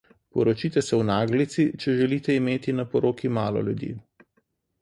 Poročite se v naglici, če želite imeti na poroki malo ljudi.